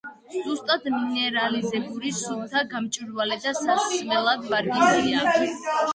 სუსტად მინერალიზებული, სუფთა, გამჭვირვალე და სასმელად ვარგისია.